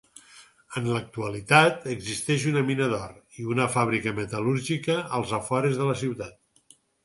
En l'actualitat existeix una mina d'or i una fàbrica metal·lúrgica als afores de la ciutat.